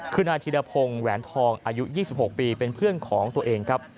คือนายธิรพงศ์แหวนทองอายุ๒๖ปีเป็นเพื่อนของตัวเองครับ